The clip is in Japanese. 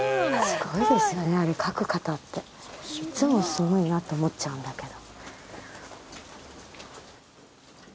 すごいですよねあれ書く方って。いつもすごいなと思っちゃうんだけど。